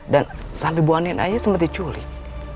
dan sampai bu anin aja sempat diculik